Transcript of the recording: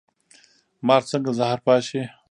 مار څنګه زهر پاشي؟